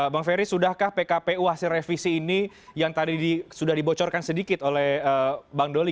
bang ferry sudahkah pkpu hasil revisi ini yang tadi sudah dibocorkan sedikit oleh bang doli